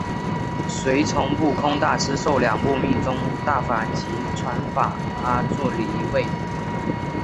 随从不空大师受两部密宗大法及传法阿阇黎位。